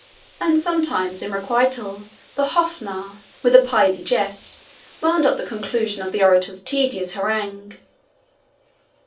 And sometimes, in requital, the HOFF NARR, with a pithy jest, wound up the conclusion of the orator's tedious harangue.